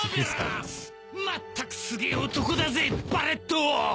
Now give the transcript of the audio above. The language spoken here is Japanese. まったくすげえ男だぜバレット！